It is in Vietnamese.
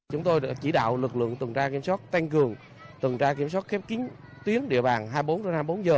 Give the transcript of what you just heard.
chúng tôi đã chỉ đạo lực lượng tổ tuần tra kiểm soát tăng cường tổ tuần tra kiểm soát khép kính tuyến địa bàn hai mươi bốn h hai mươi bốn h